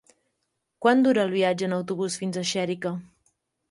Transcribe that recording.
Quant dura el viatge en autobús fins a Xèrica?